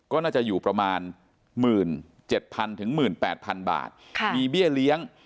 ก็น่าจะอยู่ประมาณหมื่นเจ็ดพันถึงหมื่นแปดพันบาทค่ะมีเบี้ยเลี้ยง